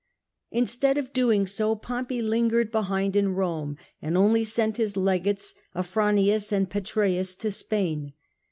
Instead of doing so, Pompey lingered behind in Eome, and only sent his legates, Afranius and Petreius, to Spain.